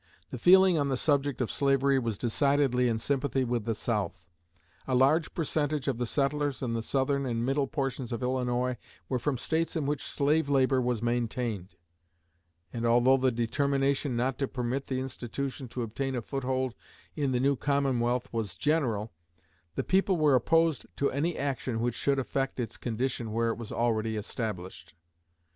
The feeling on the subject of slavery was decidedly in sympathy with the South. A large percentage of the settlers in the southern and middle portions of Illinois were from States in which slave labor was maintained; and although the determination not to permit the institution to obtain a foothold in the new commonwealth was general, the people were opposed to any action which should affect its condition where it was already established.